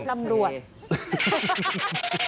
คุณกรรมณ์ทัพ